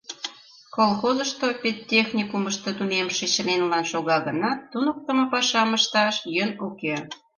Колхозышто педтехникумышто тунемше членлан шога гынат, туныктымо пашам ышташ йӧн уке.